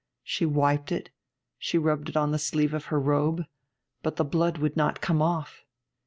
She wiped it; she rubbed it on the sleeve of her robe; but the blood would not come off.